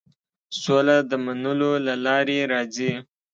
سوله د منلو له لارې راځي.